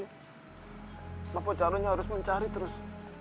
kenapa jarumnya harus mencari terus